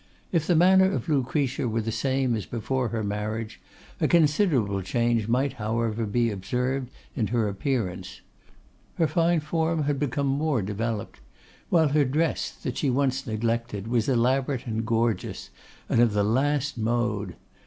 If the manner of Lucretia were the same as before her marriage, a considerable change might however be observed in her appearance. Her fine form had become more developed; while her dress, that she once neglected, was elaborate and gorgeous, and of the last mode.